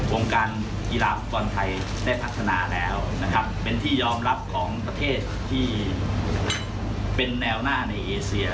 วงการกีฬาฟุตบอลไทยได้พัฒนาแล้วนะครับเป็นที่ยอมรับของประเทศที่เป็นแนวหน้าในเอเซีย